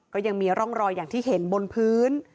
ก็ยังมีร่องรอยอย่างที่เห็นบนพื้น